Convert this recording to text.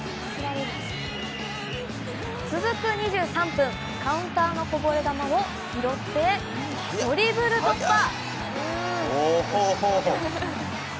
続く２３分カウンターのこぼれ球を拾ってドリブル突破！